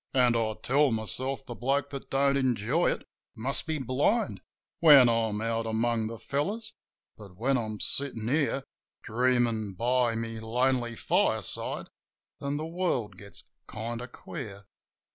An' I tell myself the bloke that don't enjoy it must be blind — When I'm out among the fellows ; but, when I am sittin' here, Dreamin' by my lonely fireside, then the world gets kind of queer.